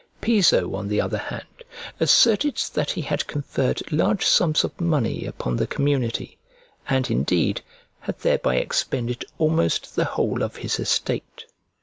Piso, on the other hand, asserted that he had conferred large sums of money upon the community, and, indeed, had thereby expended almost the whole of his estate.